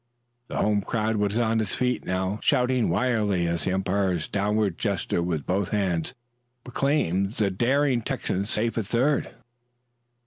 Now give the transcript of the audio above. The home crowd was on its feet now, shouting wildly as the umpire's downward gesture with both hands proclaimed the daring Texan safe at third.